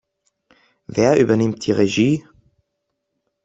Wer übernimmt die Regie?